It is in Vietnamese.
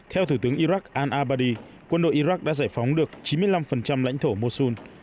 theo thủ tướng iraq al abadi quân đội iraq đã giải phóng được chín mươi năm lãnh thổ mosul